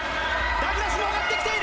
ダグラスが上がってきている。